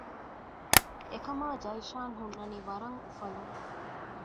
އެކަމާ ޖައިޝާން ހުންނަނީ ވަރަށް އުފަލުން